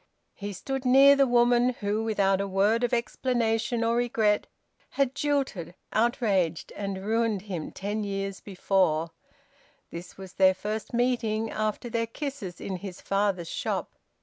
He stood near the woman who without a word of explanation or regret had jilted, outraged, and ruined him ten years before; this was their first meeting after their kisses in his father's shop.